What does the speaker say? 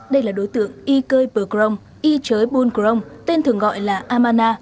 đây là đối tượng y cơi bờ crong y chới buôn crong tên thường gọi là amarna